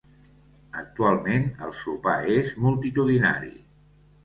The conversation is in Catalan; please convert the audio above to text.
Actualment el sopar és multitudinari.